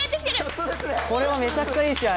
これはめちゃくちゃいい試合。